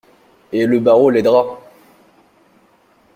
Et le barreau l'aidera!